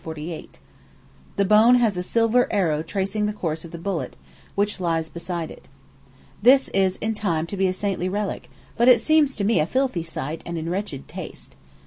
The bone has a silver arrow tracing the course of the bullet, which lies beside it. This is in time to be a saintly relic, but it seems to me a filthy sight, and in wretched taste.